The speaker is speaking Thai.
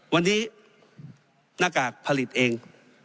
วันนี้หน้ากากผลิตเอง